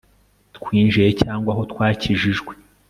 twinjiye cyangwa aho twakijijwe